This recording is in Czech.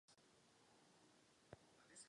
Tím začala kolonizace této oblasti.